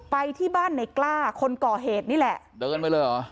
ไปที่บ้านในกล้าคนก่อเหตุนี่แหละเดินไปเลยเหรอ